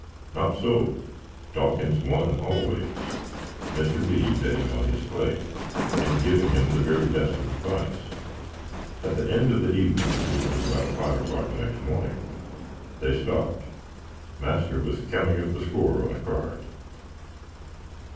Not so: Dawkins won always, Mr. B. betting on his play, and giving him the very best of advice. At the end of the evening (which was abowt five o'clock the nex morning) they stopt. Master was counting up the skore on a card.